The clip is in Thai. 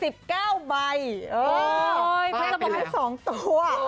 แปลกเป็นไงครับแปลกเป็น๒ตัวเออ